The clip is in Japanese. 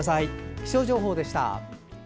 気象情報でした。